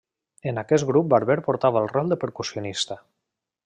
En aquest grup Barber portava el rol de percussionista.